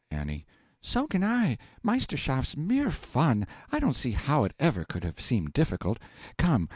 A. So can I. Meisterschaft's mere fun I don't see how it ever could have seemed difficult. Come!